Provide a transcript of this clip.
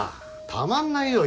たまんないよ